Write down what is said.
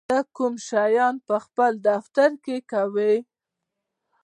ته کوم شیان په خپل دفتر کې کوې؟